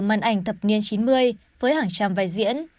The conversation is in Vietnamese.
màn ảnh thập niên chín mươi với hàng trăm vai diễn